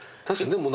確かに。